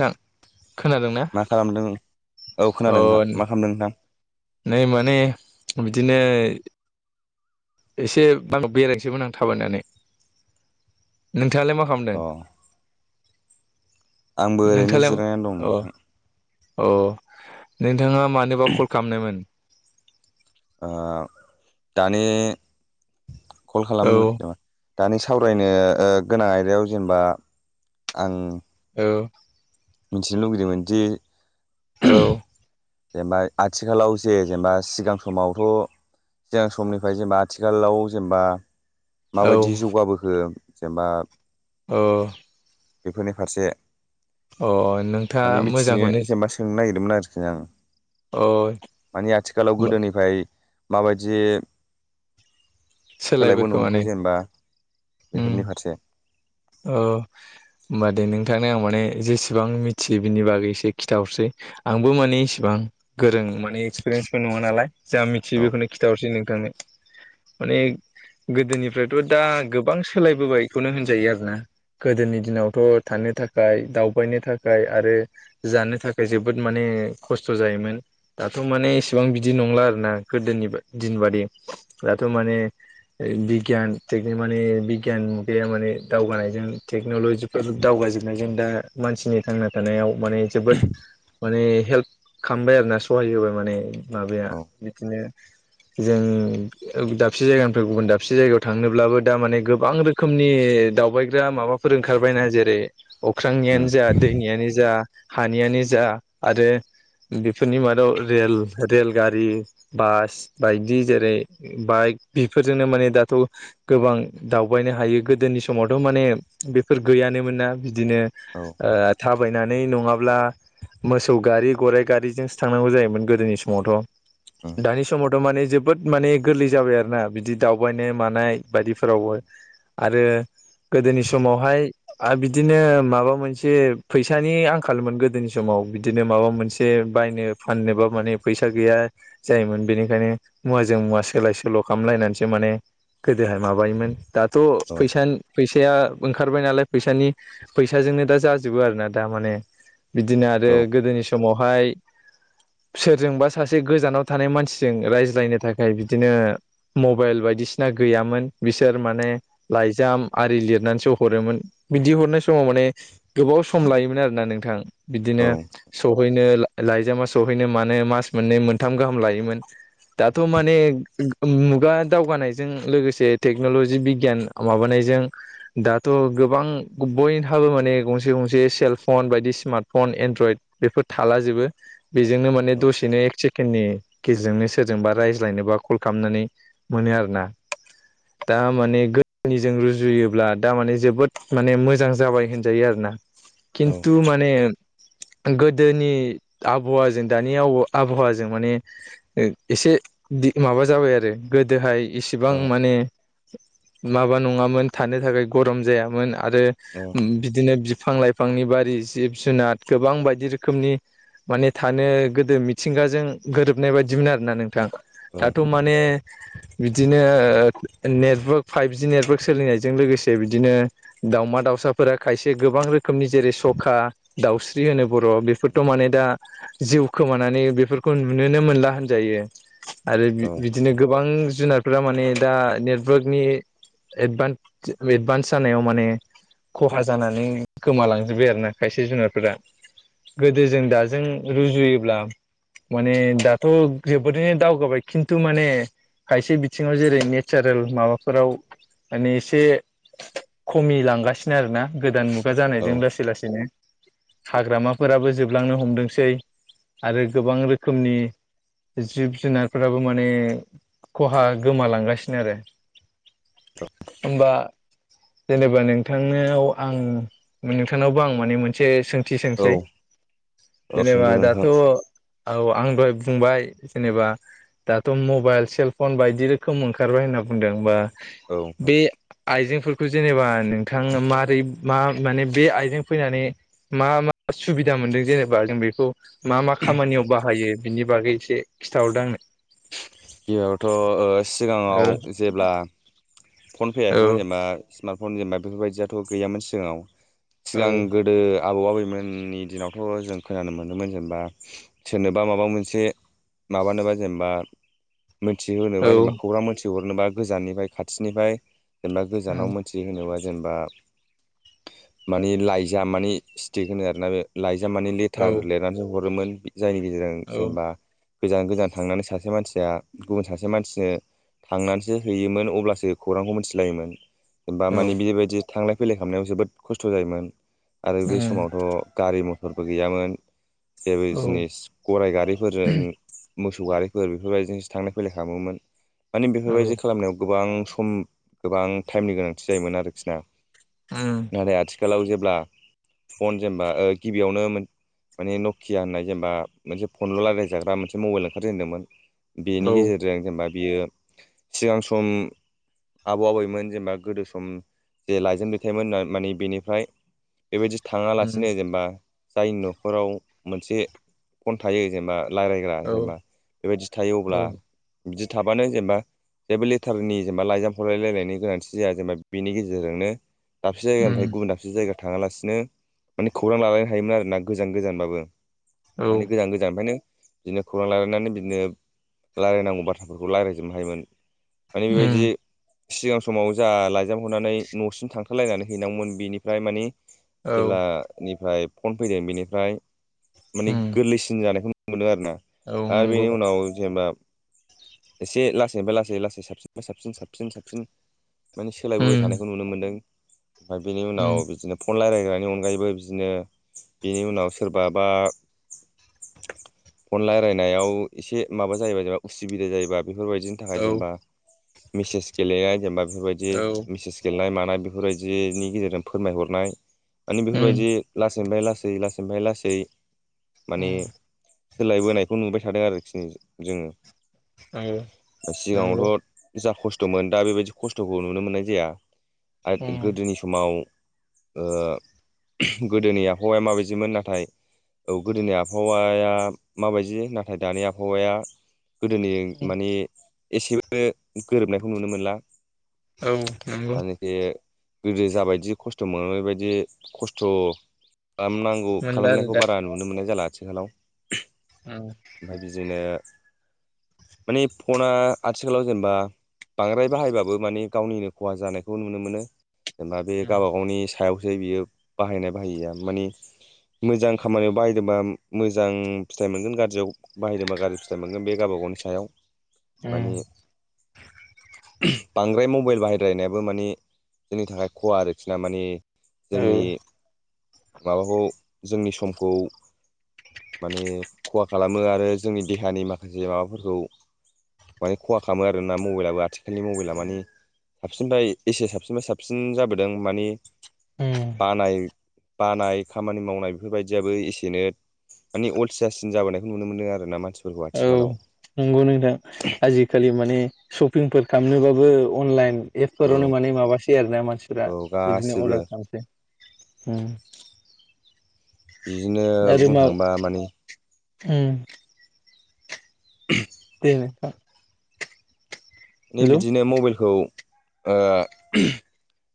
नोंथां मा खालामदों औ अ खोनादों नोंथां मा खालामदों नोंथां। नै माने बिदिनो एसे आं बेरायनोसैमोन आं थाबायनानै नों। नोंथाङालाय मा खालामदों? अ आंबो ओरैनो नोंथाङालाय जिरायनानै दं औ? नोंथां अ नोंथाङा मानोबा कल खालामनायमोन? ओ दानि कल औ खालाम दानि सावरायनो ओ गोनां आयदायाव जेनेबा आं। ओ मिथिनो लुगैदोंमोन दि। औ। जेनेबा आथिखालाव जे जेनेबा सिगां समावथ' सिगां समनिफ्राय जेनेबा आथिखालाव जेनेबा। माबायदि जौगाबोखो जेनेबा। औ। बेफोरनि फारसे अ नोंथाङा माने मिथियो मोजांखौनो जेनेबा सोंनो नागिर- -दोंमोन आरोखि आं अ मानि आथिखालाव गोदोनिफ्राय माबायदि सोलायबाय सोलायबो नो खोमा ने हमखो जेनेबा उम बेफोरनि फारसे अ होमबा दे नों। नोंथांनो आं माने जेसेबां मिथियो बिनि बागै एसे खिथाहरसै आंबो माने इसेबां गोरों। माने एक्सपिरियेन्सबो नङा नालाय जा मिथियो औ बेखौनो खिन्थाहरनोसै नोंथांनो माने। गोदोनिफ्रायथ' दा गोबां सोलायबोबायखौनो होनजायो आरोना गोदोनि दिनावथ' थानो। नो थाखाय दावबायनो थाखाय आरो जानो थाखाय जोबोद माने खस्थ' जायोमोन। दाथ' माने इसेबां बिदि नंला आर ना गोदोनि दिन बादि दाथ' माने। बिगियान माने बिगियान मुगाया माने दावगानायजों टेक्नलजिफोर दावगा जोबनायजों दा मानसिनि थांना थानायाव। माने जोबोद माने हेल्प खालामबाय आरो ना सहाय होबाय माने। माबाया औ बिदिनो जों। दाबसे जायगानिफ्राय गुबुन दाबसे जायगायाव थांनोब्लाबो दा माने गोबां रोखोमनि दावबायग्रा माबा। ओंखारबायना जेरै अख्रांनियानो उम जा दैनियानो जा। जा हानियानो जा आरो। बेफोरनि मादाव रेल रेलगारि बास बायदि जेरै बाइक बेफोरजोंनो माने दाथ' गोबां दावबायनो हायो गोदोनि समावथ' माने बेफोर गैयानोमोन ना बिदिनो ओ औ थाब थाबायनानै नङाब्ला मोसौ गारि गराइ गारिजोंसो थांनांगौ जायोमोन गोदोनि समावथ'। उम दानि समावथ' माने जोबोद माने गोरलै जाबाय आरोना बिदि दावबायनाय मानाय बायदिफोरावबो आरो। गोदोनि समावहाय आरो बिदिनो माबा मोनसे फैसानि आंखालमोन गोदोनि समाव। बिदिनो माबा मोनसे बायनो फाननो बा माने फैसा गैया जायोमोन बेनिखायनो। मुवाजों मुवासो। सोलाय सोल' खालामलायनानैसो माने गोदोहाय माबायोमोन दाथ' औ फैसानि फैसाया ओंखारबाय नालाय फैसानि फैसाजोंनो दा जाजोबो आरोना दा माने बिदिनो आरो औ गोदोनि समाव। हाय सोरजोंबा सासे गोजानाव थानाय मानसिजों रायज्लायनो थाखाय बि बिदिनो मबाइल बायदिसिना गैयामोन बिसोर माने लाइजाम आरि लिरनानैसो हरोमोन बिदि हरनाय समाव माने गोबाव सम लायोमोन आरोना नोंथां औ बिदिनो सहैनो लाइजामा सहैनो मानो मास मोननै मोनथाम गाहाम लायोमोन दाथ' माने मुगा दावगानायजों लोगोसे टेक्नलजि बिगियान माबानायजों दाथ' गोबां बयहाबो माने गंसे गंसे सेलफन बायदि स्मार्टफन एनड्रयड बेफोर थाब ला जोबो बेजोंनो माने औ दसेनो एक सेकेणडनि गेजेरजोंनो सोरजोंबा रायज्लायनोबा कल खालामनानै मोनो आरोना दा माने गोदोनिजों रुजुयोब्ला दा माने जोबोद माने मोजां जाबाय होनजायो आरो ना औ औ खिन्थु माने गोदोनि आबहावाजों दानि आबहावाजों माने एसे माबा जाबाय आरो गोदोहाय इसिबां माने माबा नङामोन थानो थाखाय गरम जायामोन आरो बिदिनो बि फां लाइफांनि बारि जिब जुनार गोबां बायदि रोखोमनि माने थानो गोदो मिथिंगाजों गोरोबनाय बायदिमोन आरोना नोंथां औ दाथ' माने [inaudible] बिदिनो नेटवर्क फाइभजि नेटवर्क सोलिनायजों लोगोसे बिदिनो दाउमा दाउ साफोरा खायसे गोबां रोखोमनि जेरै सखा दाउस्रि होनो बर' बेफोरथ' माने दा जिउ खोमानानै बेफोरखौ नुनोनो मोनला होनजायो आरो औ बिदिनो गोबां जुनारफोरा माने दा नेटवर्कनि एडभान्स जानायाव माने खहा जानानै गोमालांजोब्बाय आरो ना खायसे जुनारफोरा गोदो जों दाजों रुजुयोब्ला माने दाथ' जोबोरैनो दावगाबाय खिन्थु माने खायसे बिथिङाव जेरै नेचारेल माबाफोराव माने एसे खमि लांगासिनो आरोना गोदान मुगा जानायजों लासै लासैनो हाग्रामाफोराबो जोबलांनो हमदोंसै आरो गोबां रोखोमनि जिब जुनारफोराबो माने खहा गोमालांगासिनो आरो बा जेनेबा नोंथांनाव आं नोंथांनावबो आं माने मोनसे सों थि औ सोंसै जेनेबा सोंदों दाथ' नोंथां औ आं दहाय बुंबाय जेनेबा दाथ' मबाइल सेलफन बायदि रोखोम ओंखारबाय होनना बुंदों बा औ नोंथां बे आइजेंफोर खौ जेनेबा नोंथाङा मारै मा माने बे आइजों फैनानै मा मा सुबिदा मोनदों जेनेबा जों बेखौ मा मा खामानियाव बाहायो बिनि बागै एसे खिन्थाहरदों आंनो गिबियावथ' सिगाङाव जेब्ला फन ओ फैयाखैमोन जेनेबा स्मार्ट फन जेनेबा बेफोरबायदियाथ' गैयामोन सिगाङाव औ सिगां गोदो आबौ आबैमोननि दिनावथ' जों खोनानो मोनोमोन जेनेबा सोरनोबा माबा मोनसे माबानोबा जेनेबा औ मोनथिहोनोबा जेनेबा खौरां मोनथिहरनोबा गोजाननिफ्राय खाथिनिफ्राय जेनेबा गोजानाव मोनथिनो होनोबा जेनेबा मानि लाइजाम मानि स्टिक होनो आरोना बे लाइ एजाम मे औ लेटार लिरनानैसो हरोमोन जायनि गेजेरजों जेनेबा गोजान गोजान थांनानै सासे सासे मानसिया गुबुन सासे मानसिनो थांनानैसो हैयोमोन अब्लासो खौरांखौ मिथिलायोमोन। बा औ मानि बेबायदि थांलाय फैलाय खालामनायाव जोबोद खस्थ' जायोमोन। आरो बे समावथ' गारि मथरबो गैयामोन। जेबो औ जिनिस गराइ गारिफोरजों मोसौ गारि फोर बेफोरबायदिजोंसो थांलाय फैलाय खालामोमोन माने औ औ बेफोरबायदि खालामनायाव गोबां सम गोबां टाइमनि गोनांथि जायोमोन आरोखि ना। उम नाथाय आथिखालाव जेब्ला फन जेनेबा गिबियावनो माने नकिया होननाय जेनेबा मोनसे फनल' रायलायजाग्रा मोनसे मबाइल ओंखारजेनदोंमोन बेनि गेजेरजों जेनेबा बियो सिगां सम आबौ आबैमोन जेनेबा गोदो सम जे लाइजाम दैथायोमोन मानि बेनिफ्राय बेबायदि थाङालासिनो जेनेबा जायनि न'खराव मोनसे फन थायो जेनेबा रायलायग्रा औ जेनेबा बेबायदि थायो अब्ला बिदि थाबानो जेनेबा जेबो लेथारनि जेनेबा लाइजाम हरलाय लायनायनि गोनांथि जाया जेनेबा बेनि गेजेरजोंनो दाबसे जायानिफ्राय गुबुन दाबसे जायगा थाङा लासिनो माने खौरां लालायनो हायोमोन आरो ना गोजान गोजानबाबो माने गोजान गोजान निफ्रायनो बिदिनो खौरां लालायनानै बिनो बिदिनो रायलायनांगौ बाथ्राफोरखौ रायलायजोबनो हायोमोन माने बेबायदि सिगां समाव जा लाइजाम हरनानै नसिम थांथारलायनानै हैनांगौमोन बेनिफ्राय माने औ जेब्लानिफ्राय फन फैदों बेनिफ्राय माने गोरलैसिन जानायखौ मोनो आरो ना औ नंगौ जेनेबा एसे लासै लासै लासै साबसिन साबसिन साबसिन साबसिन माने औ सोलायबोबाय थानायखौ नुनो मोन्दों ओमफाय बिनि उनाव औ बिदिनो फन रायलाय जानायनि अनगायैबो बिदिनो बेनि उनाव सोरबा बा फन रायलायनायाव एसे माबा जायोबा जेनेबा उसुबिदा जायोबा बेफोरबायदिनि थाखाय जेनेबा मेसेज गेलेनाय जेनेबा बेफोरबायदि औ मेसेस गेलेनाय मानाय बेफोरबायदिनि गेजेरजों फोरमायहरनाय माने बेफोरबायदि लासैनिफ्राय लासै लासैनिफ्राय लासै माने सोलायबोनायखौ नुबाय थादों आरोखि जोङो नंगौ सिगाङावथ' जा खस थमोन दा बेबायदि खस्थखौ नुनो मोननाय जाया औ आरो गोदोनि समाव ओ गोदोनि आबहावाया माबायदिमोन नाथाय औ गोदोनि आबहावाया माबायदि नाथाय दानि आब हावाया गोदोनि माने एसेबो गोरोबनायखौ नुनो मोनला औ नंगौ मानेखि गोदो जाबायदि खस्थ‌ मोनो बेबायदि खस्थ खालाम नांगौ मोनला आरो खालामनायखौ दा बारा नुनो मोननाय जाला आथिखालाव औ ओ माने फना आथिखालाव जेनेबा बांद्राय बाहायबाबो माने गावनिनो खहा जानायखौ नुनो मोनो जेनेबा बे गावबा गावनि सायावसो बियो बाहायनाय बाहायैया माने मोजां खामानियाव बाहायदोंबा मोजां फिथाइ मोनगोन गाज्रियाव बाहायदोंबा गाज्रि फिथाइ मोनगोन बे गावबा गावनि सायाव माने बांद्राय मबाइल बाहायद्रायनायाबो माने जोंनि थाखाय खहा आरोखि ना माने जोंनि माबाखौ जोंनि समखौ माने खहा खालाम खालामो आरो जोंनि देहानि माखासे माबाफोरखौ माने खहा खालामो आरोना मबाइलाबो आथिखालनि मबाइला माने साबसिनफ्राय एसे साबसिनफ्राय साबसिन जाबोदों मानि बानाय बानाय खामानि मावनाय बेफोर बायदियाबो एसेनो माने अलसियासिन जाबोनाय नुनो मोनदों आरो ना मानसि औ नंगौ नोंथां आजिखालि माने सपिंफोर खालामनोबाबो अनलाइन एप औ फोरावनो माने माबासै आरोना मानसिफोरा औ बिदिनो गासिबो अर्दार खालामसै उम बिदिनो आरो बुंनो मा थाङोबा माने उम दे नोंथां नै हेल' बिदिनो मबाइलखौ ओ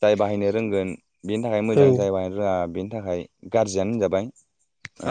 जाय बाहायनो रोंगोन बेनि थाखाय मोजां औ जाहबायानो रोङा बेनि थाखाय गाज्रियानो होनजाबाय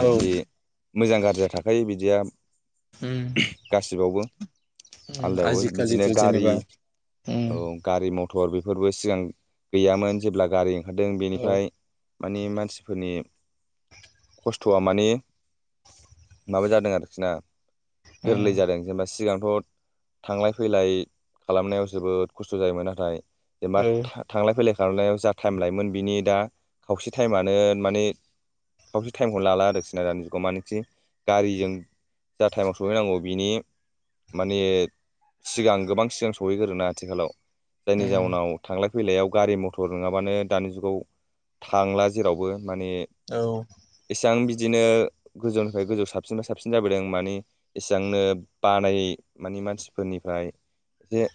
औ मोजां गाज्रिया थाखायो बिदिया गासिबावबो आलदायावबो आजिखालि बिदिनो गारि औ गारि मथर बेफोरबो सिगां गैयामोन जेब्ला गारि ओंखारदों औ बेनिफ्राय मानि मानसिफोरनि खस्थ'आ मानि माबा जादों आरोखि ना गोरलै उम जादों जेनेबा सिगांथ' थांलाय फैलाय खालामनायाव जोबोद खस्थ' जायोमोन नाथाय जेनेबा औ थांलाय फैलाय खालामनायाव जा टाइम लायोमोन बिनि दा खावसे टाइमानो माने खावसे टाइमखौनो लाला आरो खिना दानि जुगाव मानोखि गारिजों जा टाइमाव सहैनांगौ बिनि माने सिगां गोबां सिगां सहैगोरोना आथिखालाव जायनि उम जाउनाव थांलाय फैलायाव गारि मथर नङाबानो दानि जुगाव थांला जेरावबो माने औ एसेबां बिदिनो गोजौनिफ्राय गोजौ साबसिनफ्राय साबसिन जाबोदों मानि इसेबांनो बानायै मानि मानसिफोरनिफ्राय एसे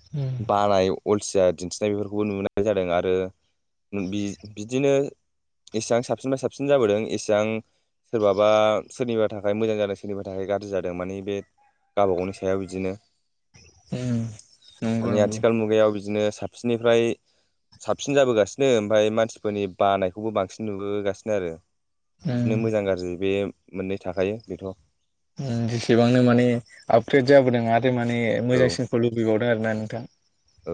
उम बानाय अलसिया दिन्थिनाय बेफोरखौबो नुनाय जादों आरो बिदिनो एसेबां साबसिननिफाय साबसिन जाबोदों एसेबां सोरबाबा सोरनिबा थाखाय मोजां जादों सोरनिबा थाखाय गाज्रि जादों मानि बे गाबागावनि सायाव बिदिनो उम नंगौ माने नंगौ आथिखाल मुगायाव बिदिनो साबसिननिफ्राय साबसिन जाबोगासिनो ओमफ्राय मानसिफोरनि बानायखौबो बांसिन नुबोगासिनो आरो उम बिदिनो मोजां गाज्रि बे मोननै थाखायो बेथ' जेसेबांनो माने आपग्रेद जाबोदों आरो जे माने मोजांसिनखौ लुबैबावदों आरोना नोंथां औ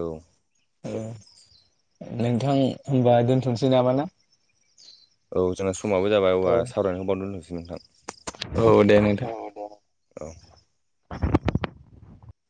औ नोंथां होनबा दोनथ'सै नामा ना औ जोंना समाबो जाबाय औब्ला औ सावरायनानै बावनो दोननोसै नोंथां औ दे नोंथां। औ